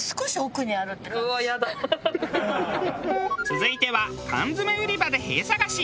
続いては缶詰売り場で「へぇ」探し。